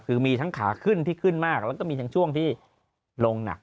คือมีทั้งขาขึ้นที่ขึ้นมากแล้วก็มีทั้งช่วงที่ลงหนัก